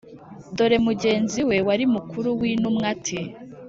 ". dore mugenzi we wari umukuru w'intumwaati"